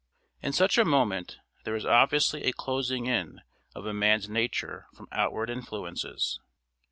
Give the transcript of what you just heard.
In such a moment there is obviously a closing in of a man's nature from outward influences.